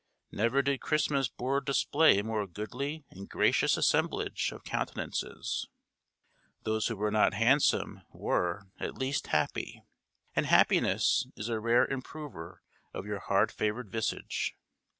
Never did Christmas board display a more goodly and gracious assemblage of countenances: those who were not handsome were, at least, happy; and happiness is a rare improver of your hard favoured visage.